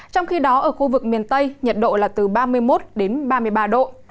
trong khi đó ở khu vực miền tây nhiệt độ là từ ba mươi một đến ba mươi ba độ